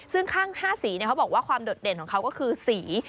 ซึ่งข้าง๕สีเขาบอกว่าความโดดเด่นของเขาก็คือสี